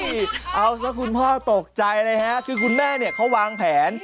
เอาซะคุณพ่อตกใจเลยฮะคือคุณแม่เนี่ยเขาวางแผน